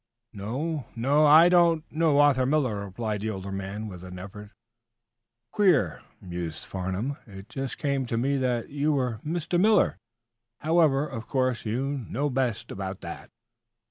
"No o; I don't know Arthur Miller," replied the older man; with an effort. "Queer," mused Mr. Farnum. "It just came to me that you were Mr. Miller. However, of course you know best about that."